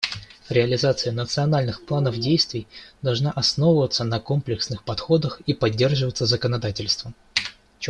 Реализация национальных планов действий должна основываться на комплексных подходах и поддерживаться законодательством.